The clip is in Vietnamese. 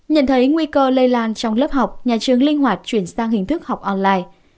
nhận thấy nguy cơ lây lan trong lớp học nhà trường linh hoạt chuyển sang hình thức học online